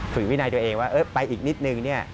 ฝึกวินัยตัวเองว่าไปอีกนิดหนึ่ง